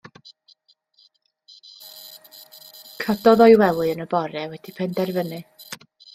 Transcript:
Cododd o'i wely yn y bore wedi penderfynu.